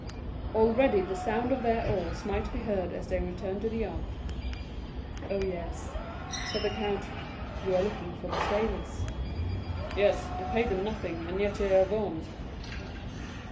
Already the sound of their oars might be heard as they returned to the yacht. "Oh, yes," said the count, "you are looking for the sailors." "Yes, I paid them nothing, and yet they are gone."